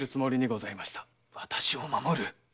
私を守る？